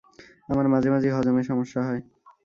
আমার মাঝে মাঝেই হজমে সমস্যা হয়।